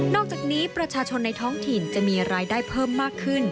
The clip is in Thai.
อกจากนี้ประชาชนในท้องถิ่นจะมีรายได้เพิ่มมากขึ้น